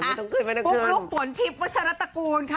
พุกรุกผลทิพย์ธรรมชาติกูล